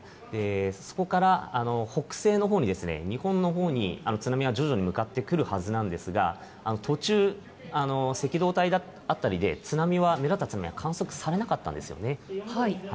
そこから北西のほうに日本のほうに津波が徐々に向かってくるはずなんですが、途中、赤道帯があったりで、目立った津波は観測されなかったんですね。